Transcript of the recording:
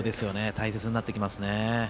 大切になってきますね。